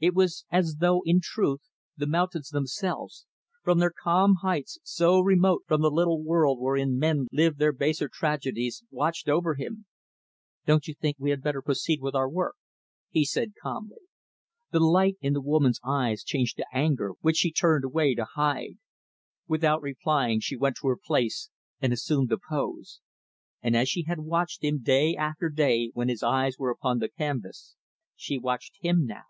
It was as though, in truth, the mountains, themselves, from their calm heights so remote from the little world wherein men live their baser tragedies, watched over him. "Don't you think we had better proceed with our work?" he said calmly. The light in the woman's eyes changed to anger which she turned away to hide. Without replying, she went to her place and assumed the pose; and, as she had watched him day after day when his eyes were upon the canvas, she watched him now.